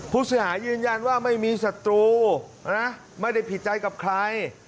ผู้เสียหายยืนยันว่าไม่มีศัตรูนะไม่ได้ผิดใจกับใคร